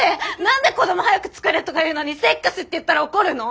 何で子ども早くつくれとか言うのにセックスって言ったら怒るの？